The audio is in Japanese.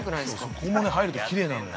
◆ここも入るときれいなのよ。